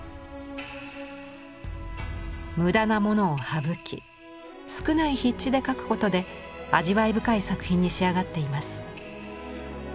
無駄なものを省き少ない筆致で描くことで味わい深い作品に仕上がっています。